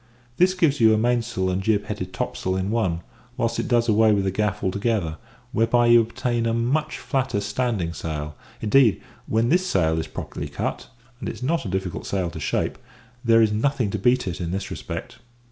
This gives you a mainsail and jib headed topsail in one, whilst it does away with the gaff altogether, whereby you obtain a much flatter standing sail; indeed, when this sail is properly cut (and it is not a difficult sail to shape), there is nothing to beat it in this respect.